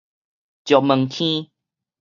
石門坑